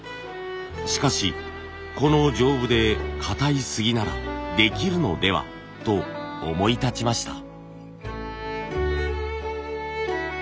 しかしこの丈夫でかたい杉ならできるのではと思い立ちました。